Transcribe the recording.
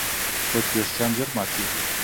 وچ وېښتيان ژر ماتېږي.